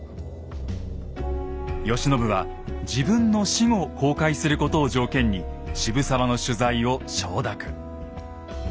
慶喜は自分の死後公開することを条件に渋沢の取材を承諾。